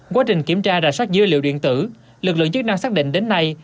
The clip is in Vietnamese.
quá trình kiểm tra rà soát dữ liệu điện tử lực lượng chức năng xác định đến nay